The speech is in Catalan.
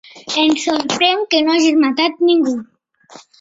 Em sorprèn que no hagis matat ningú.